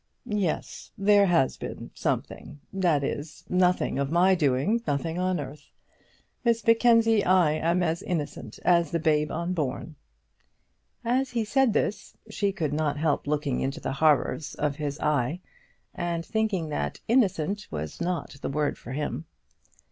"Yes; there has been something. That is, nothing of my doing, nothing on earth. Miss Mackenzie, I am as innocent as the babe unborn." As he said this she could not help looking into the horrors of his eyes, and thinking that innocent was not the word for him.